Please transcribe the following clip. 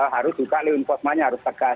harus juga leonkosmanya harus tegak